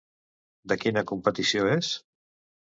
De quina competició és?